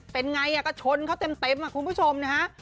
เป็นไงก็ชนเขาเต็มคุณผู้ชมนะฮะ